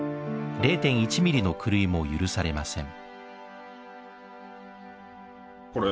０．１ミリの狂いも許されません。